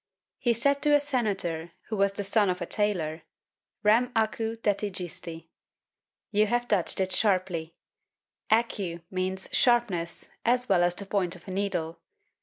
He said to a senator, who was the son of a tailor, "Rem acu tetigisti." You have touched it sharply; acu means sharpness as well as the point of a needle.